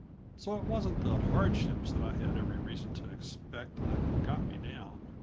So it wasn't the hardships that I had every reason to expect that got me down.